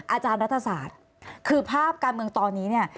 อาจารย์รัฐศาสตร์คือภาพการเมืองตอนนี้เนี่ย